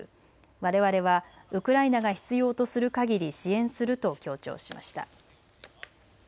われわれはウクライナが必要とするかぎり支援すると強調しました。